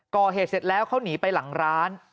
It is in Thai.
ก่อเหตุเสร็จแล้วเขาหนีไปหลังร้าน